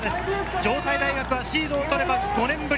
城西大学はシードを取れば５年ぶり。